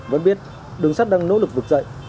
vẫn biết đường sắt đang nỗ lực vực dậy